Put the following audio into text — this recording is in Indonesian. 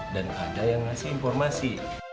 dan ada yang ngasih informasi